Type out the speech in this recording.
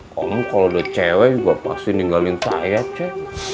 kamu kalo udah cewe juga pasti ninggalin saya ceng